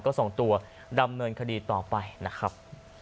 ก็ส่งตัวดำเนินคดีต่อไปนะครับ